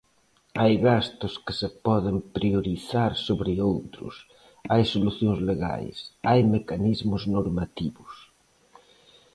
Hai gastos que se poden priorizar sobre outros, hai solucións legais, hai mecanismos normativos.